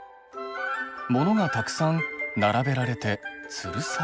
モノがたくさん並べられてつるされて。